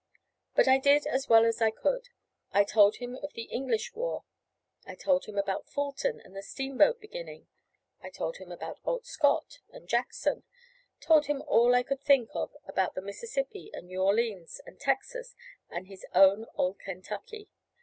But I did as well as I could. I told him of the English war. I told him about Fulton and the steamboat beginning. I told him about old Scott, and Jackson; told him all I could think of about the Mississippi, and New Orleans, and Texas, and his own old Kentucky.